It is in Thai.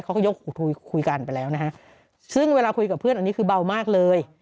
เขาก็ยกหูคุยคุยกันไปแล้วนะฮะซึ่งเวลาคุยกับเพื่อนอันนี้คือเบามากเลย